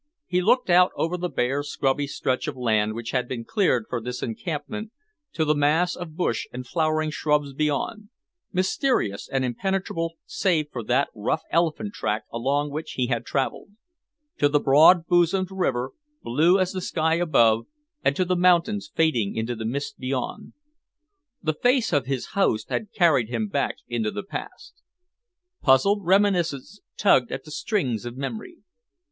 He looked out over the bare, scrubby stretch of land which had been cleared for this encampment to the mass of bush and flowering shrubs beyond, mysterious and impenetrable save for that rough elephant track along which he had travelled; to the broad bosomed river, blue as the sky above, and to the mountains fading into mist beyond. The face of his host had carried him back into the past. Puzzled reminiscence tugged at the strings of memory.